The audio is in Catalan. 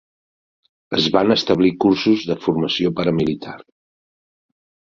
Es van establir cursos de formació paramilitar.